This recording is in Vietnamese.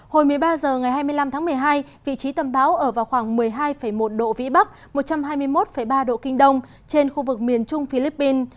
hồi một mươi ba h ngày hai mươi năm tháng một mươi hai vị trí tâm bão ở vào khoảng một mươi hai một độ vĩ bắc một trăm hai mươi một ba độ kinh đông trên khu vực miền trung philippines